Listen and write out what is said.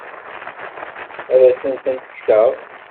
Ad asen-tent-kkseɣ?